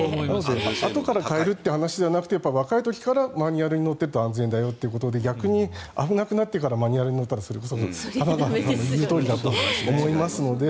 あとから変えるという話じゃなくて若い時からマニュアルに乗っていると安全だよということで逆に危なくなってからマニュアルに乗るのは玉川さんの言うとおりなので。